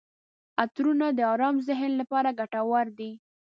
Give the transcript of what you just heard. عطرونه د ارام ذهن لپاره ګټور دي.